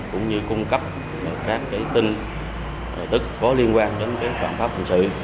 cũng như cung cấp các tin tức có liên quan đến phạm pháp hình sự